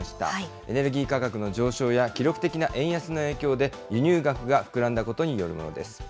エネルギー価格の上昇や記録的な円安の影響で、輸入額が膨らんだことによるものです。